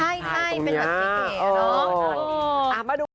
ใช่เป็นแบบที่เก๋เนอะ